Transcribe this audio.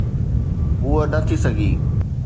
هوءَ نه ٿي سگهي.